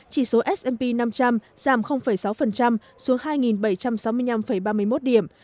chỉ số s p năm trăm linh giảm sáu xuống hai bảy trăm sáu mươi năm ba mươi một điểm